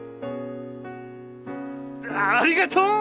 ありがとう！